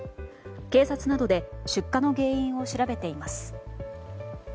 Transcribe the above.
警察などで出火の原因を調べています。